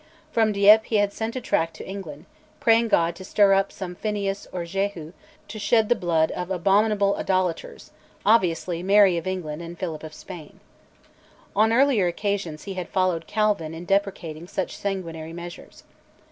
From Dieppe he had sent a tract to England, praying God to stir up some Phineas or Jehu to shed the blood of "abominable idolaters," obviously of Mary of England and Philip of Spain. On earlier occasions he had followed Calvin in deprecating such sanguinary measures.